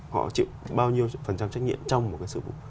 họ chịu bao nhiêu phần trăm trách nhiệm trong một cái sự vụ